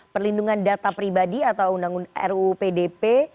perlindungan data pribadi atau ruu pdp